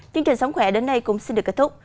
chương trình sống khỏe đến đây cũng xin được kết thúc